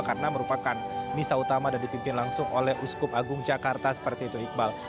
karena merupakan misa utama dan dipimpin langsung oleh uskup agung jakarta seperti itu iqbal